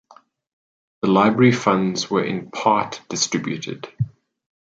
The library funds were in part distributed.